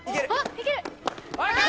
いける。